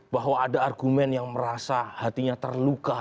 bahwa ada argumen yang merasa hatinya terluka